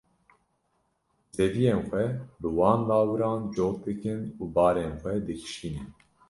zeviyên xwe bi wan lawiran cot dikin û barên xwe dikişînin.